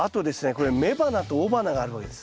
これ雌花と雄花があるわけです。